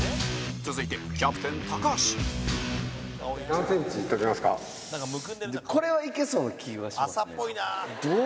続いて、キャプテン、高橋これはいけそうな気はしますね。